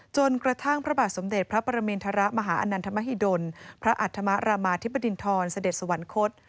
จนกระทั่งพระบาทสมเด็จพระประเมินทรมาหาอนันทมหิดลพระอัธมรามาธิบดินทรเสด็จสวรรคต